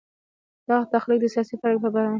دغه تخلیق د سیاسي فرهنګ پر پاڼه.